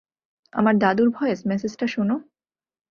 আমার দাদুর ভয়েস মেসেজটা শোনো!